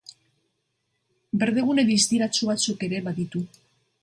Berdegune distiratsu batzuk ere baditu.